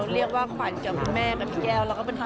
เรียกว่าขวัญมันแม่แป๊บแก้วเราก็เป็น